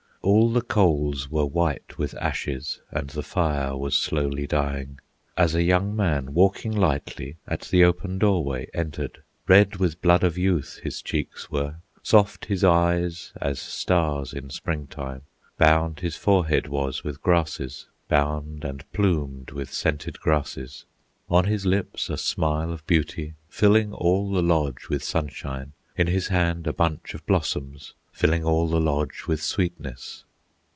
All the coals were white with ashes, And the fire was slowly dying, As a young man, walking lightly, At the open doorway entered. Red with blood of youth his cheeks were, Soft his eyes, as stars in Spring time, Bound his forehead was with grasses; Bound and plumed with scented grasses, On his lips a smile of beauty, Filling all the lodge with sunshine, In his hand a bunch of blossoms Filling all the lodge with sweetness.